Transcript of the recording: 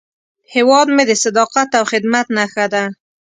هیواد مې د صداقت او خدمت نښه ده